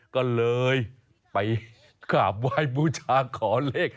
ก็เลยไปขาบไว้บุจาคขอเล็ก